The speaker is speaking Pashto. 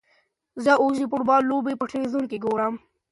زه اوس د فوټبال لوبه په تلویزیون کې ګورم.